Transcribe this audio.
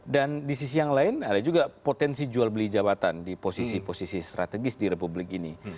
dan di sisi yang lain ada juga potensi jual beli jabatan di posisi posisi strategis di republik ini